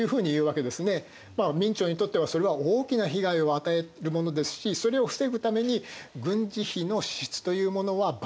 明朝にとってはそれは大きな被害を与えるものですしそれを防ぐために軍事費の支出というものはばく大になる。